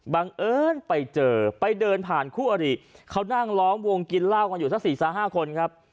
บังเอิญไปเจอไปเดินผ่านคู่อริเขานั่งล้อมวงกินเหล้ากันอยู่สัก๔๕คนครับ